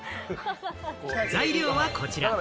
材料はこちら。